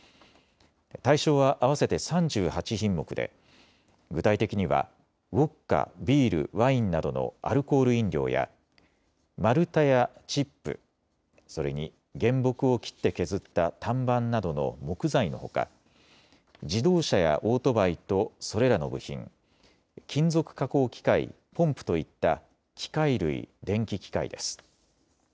対象は合わせて３８品目で具体的にはウォッカ、ビール、ワインなどのアルコール飲料や丸太やチップ、それに原木を切って削った単板などの木材のほか自動車やオートバイとそれらの部品、金属加工機械、ポンプといった機械類・電気機械です。